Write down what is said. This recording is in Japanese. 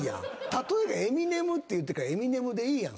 例えがエミネムっていうときはエミネムでいいやん。